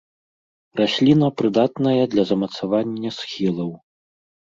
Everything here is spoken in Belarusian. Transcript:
Расліна прыдатная для замацавання схілаў.